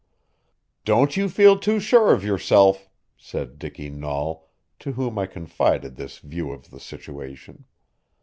"Don't you feel too sure of yourself," said Dicky Nahl, to whom I confided this view of the situation.